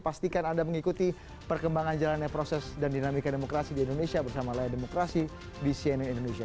pastikan anda mengikuti perkembangan jalannya proses dan dinamika demokrasi di indonesia bersama layar demokrasi di cnn indonesia